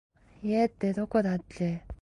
家ってどこだっけ